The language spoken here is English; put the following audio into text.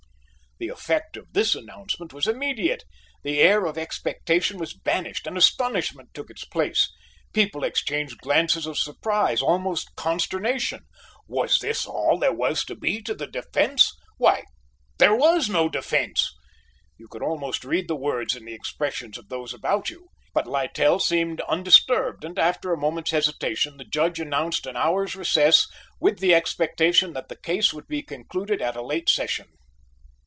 The effect of this announcement was immediate; the air of expectation was banished and astonishment took its place; people exchanged glances of surprise almost consternation: "Was this all there was to be to the defence; why! there was no defence." You could almost read the words in the expressions of those about you, but Littell seemed undisturbed and after a moment's hesitation the Judge announced an hour's recess with the expectation that the case would be concluded at a late session.